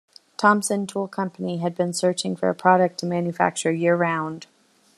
Thompson Tool Company had been searching for a product to manufacture year-round.